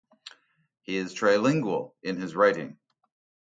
He is trilingual in his writing.